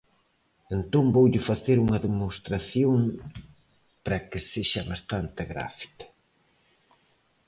Entón voulle facer unha demostración para que sexa bastante gráfica.